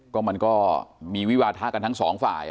ก็มันก็มีวิวาทะกันทั้งสองฝ่าย